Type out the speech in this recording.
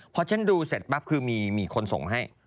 พอฉันดูเสร็จมีคนส่งให้